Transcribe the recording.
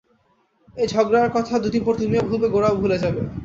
এ ঝগড়ার কথা দুদিন পরে তুমিও ভুলবে, গোরাও ভুলে যাবে।